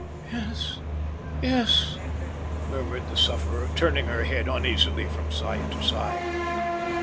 "Yes, yes," murmured the sufferer, turning her head uneasily from side to side.